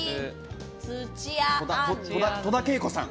戸田恵子さん。